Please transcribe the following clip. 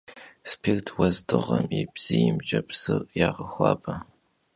Spirt vuezdığem yi bziymç'e psır yağexuabe.